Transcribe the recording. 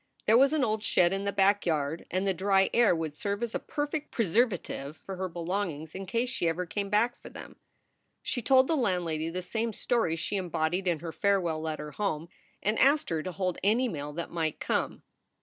There was an old shed in the back yard, and the dry air would serve as a perfect preservative for her belongings in case she ever came back for them. She told the landlady the same story she embodied in her farewell letter home, and asked her to hold any mail that might come.